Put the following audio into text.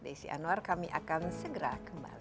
desi anwar kami akan segera kembali